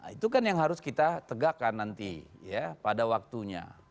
itu kan yang harus kita tegakkan nanti ya pada waktunya